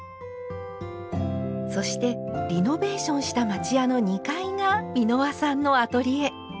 そしてリノベーションした町家の２階が美濃羽さんのアトリエ。